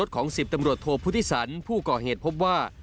ของ๑๐ตำรวจโทพุทธิสันผู้ก่อเหตุพบว่า